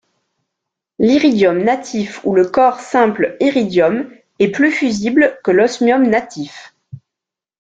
L'iridium natif ou le corps simple iridium est plus fusible que l'osmium natif.